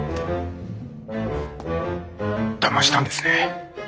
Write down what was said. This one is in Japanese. だましたんですね。